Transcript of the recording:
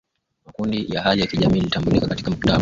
makundi ya hali ya kijamii yalitambulike katika mkataba huo